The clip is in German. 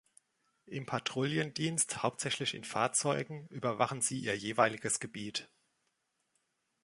Im Patrouillendienst, hauptsächlich in Fahrzeugen, überwachen sie ihr jeweiliges Gebiet.